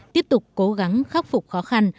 tiếp tục cố gắng khắc phục khó khăn